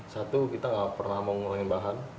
satu kita nggak pernah mau ngurangin bahan